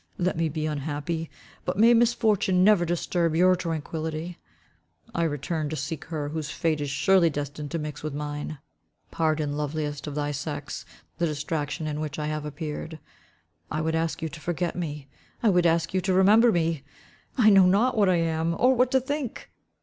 Let me be unhappy but may misfortune never disturb your tranquility. I return to seek her whose fate is surely destined to mix with mine. Pardon, loveliest of thy sex, the distraction in which I have appeared. I would ask you to forget me I would ask you to remember me I know not what I am, or what to think."